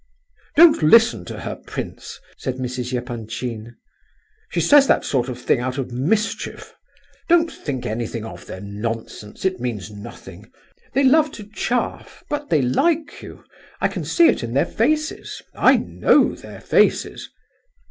"Don't listen to her, prince," said Mrs. Epanchin; "she says that sort of thing out of mischief. Don't think anything of their nonsense, it means nothing. They love to chaff, but they like you. I can see it in their faces—I know their faces."